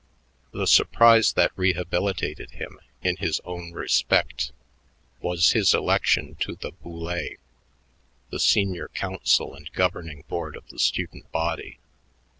The surprise that rehabilitated him in his own respect was his election to the Boulé, the senior council and governing board of the student body.